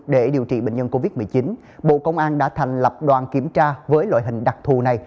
để điều trị bệnh nhân covid một mươi chín bộ công an đã thành lập đoàn kiểm tra với loại hình đặc thù này